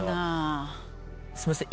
すいません